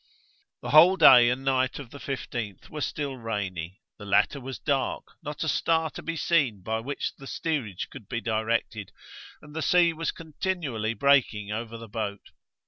The whole day and night of the 15th were still rainy; the latter was dark, not a star to be seen by which the steerage could be directed, and the sea was continually breaking over the boat.